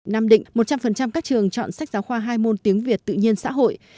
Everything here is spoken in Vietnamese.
nam định một trăm linh các trường chọn sách giáo khoa hai môn tiếng việt tự nhiên xã hội